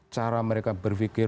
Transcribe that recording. cara mereka berpikir